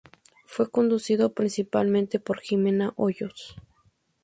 Fue conducido principalmente por Ximena Hoyos.